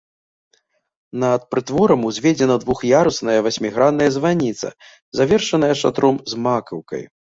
Над прытворам узведзена двух'ярусная васьмігранная званіца, завершаная шатром з макаўкай.